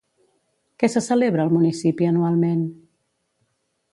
Què se celebra al municipi anualment?